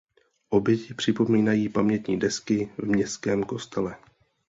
Oběti připomínají pamětní desky v městském kostele.